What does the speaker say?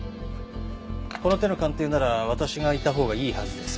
この手の鑑定なら私がいたほうがいいはずです。